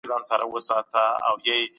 جهاد د ایمان د پیاوړتیا نښه ده.